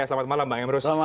selamat malam bang emrus